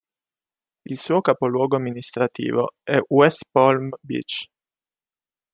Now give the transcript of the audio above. Il suo capoluogo amministrativo è West Palm Beach.